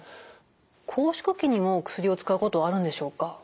拘縮期にも薬を使うことはあるんでしょうか？